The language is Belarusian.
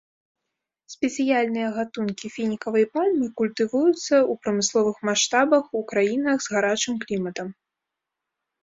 Спецыяльныя гатункі фінікавай пальмы культывуюцца ў прамысловых маштабах ў краінах з гарачым кліматам.